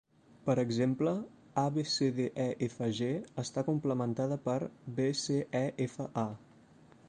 Per exemple, A-B-C-D-E-F-G està "complementada" per B-C-E-F-A.